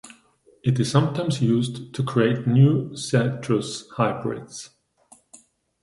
It is sometimes used to create new citrus hybrids.